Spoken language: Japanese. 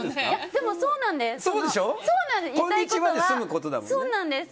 でもそうなんです！